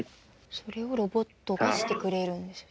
それをロボットがしてくれるんですよ。